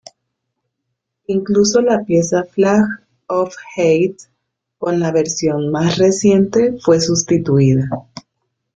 Incluso la pieza "Flag of Hate" con la versión más reciente fue sustituida.